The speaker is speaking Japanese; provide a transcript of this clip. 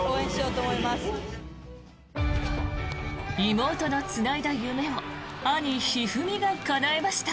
妹のつないだ夢を兄・一二三がかなえました。